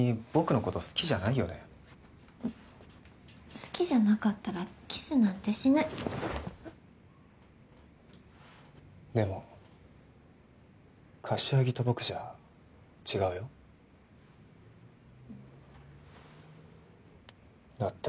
好きじゃなかったらキスなんてしないでも柏木と僕じゃ違うよだって